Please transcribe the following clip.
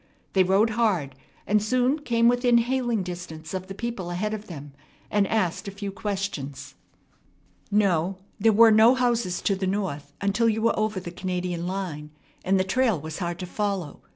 They rode hard, and soon came within hailing distance of the people ahead of them, and asked a few questions. No, there were no houses to the north until you were over the Canadian line, and the trail was hard to follow.